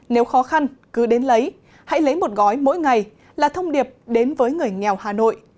nếu khó khăn cứ đến lấy hãy lấy một gói mỗi ngày là thông điệp đến với người nghèo hà nội